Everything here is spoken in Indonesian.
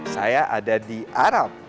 saya ada di arab